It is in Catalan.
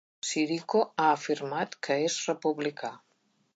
Sirico ha afirmat que és republicà.